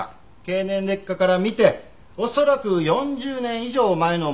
経年劣化から見て恐らく４０年以上前のものでしょう。